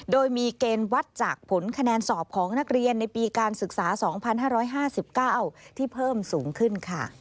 โดยมีเกณฑ์วัดจากผลคะแนนสอบของนักเรียนในปีการศึกษา๒๕๕๙ที่เพิ่มสูงขึ้นค่ะ